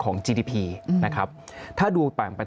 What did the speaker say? สิ่งที่ประชาชนอยากจะฟัง